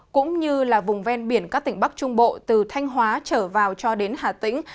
cũng như là vùng ven biển các tỉnh bắc trung bộ từ thanh hóa trở vào cho đến hà tĩnh